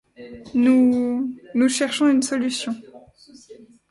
Nous… nous cherchons une solution.